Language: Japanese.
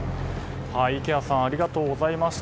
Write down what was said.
池谷さんありがとうございました。